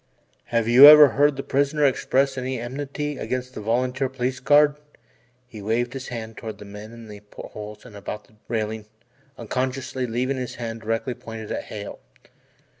"Have you ever heard the prisoner express any enmity against this volunteer Police Guard?" He waved his hand toward the men at the portholes and about the railing unconsciously leaving his hand directly pointed at Hale.